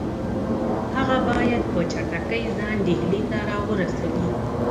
هغه باید په چټکۍ ځان ډهلي ته را ورسوي.